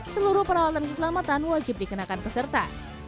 seluruh peralatan keselamatan wajib dikenakan peserta